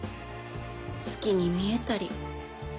好きに見えたり。